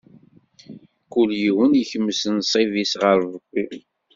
Kul yiwen ikmes nnṣib-is ɣeṛ Ṛebbi.